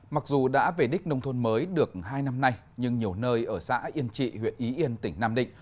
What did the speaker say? mặc dù đã về đích nông thôn mới được hai năm nay nhưng nhiều nơi ở xã yên trị huyện y yên tỉnh nam định